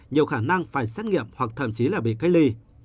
nhiều khả năng phải xét nghiệm hoặc thậm chí là bị cách ly